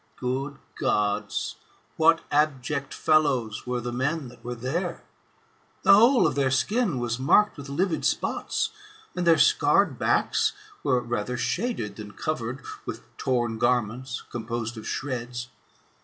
Good Gods ! what abject fellows were the men that were there ! The whole of their skin was marked with livid spots, and their scarred backs were rather shaded than covered with torn garments, composed of shreds.